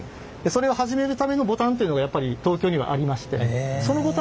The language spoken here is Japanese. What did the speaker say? それを始めるためのボタンというのがやっぱり東京にはありましてえっ！